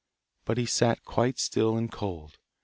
But he sat quite still and cold.